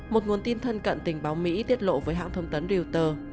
một nguồn tin thân cận tình báo mỹ tiết lộ với hãng thông tấn reuter